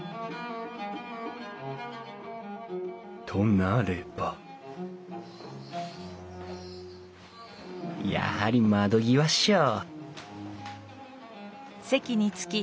となればやはり窓際っしょ！